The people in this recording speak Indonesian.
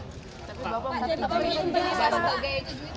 tapi bapak bisa tinggal di